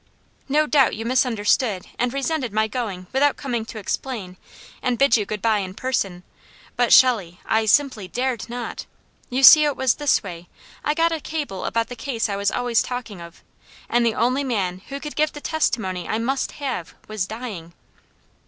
"'No doubt you misunderstood and resented my going without coming to explain, and bid you good bye in person, but Shelley, I SIMPLY DARED NOT. You see, it was this way: I got a cable about the case I was always talking of, and the only man who could give the testimony I MUST HAVE was dying!'"